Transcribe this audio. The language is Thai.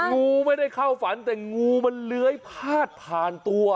งูไม่ได้เข้าฝันแต่งูมันเลื้อยพาดผ่านตัว